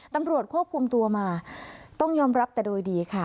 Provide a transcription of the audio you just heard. ตำรวจควบคุมตัวมาต้องยอมรับแต่โดยดีค่ะ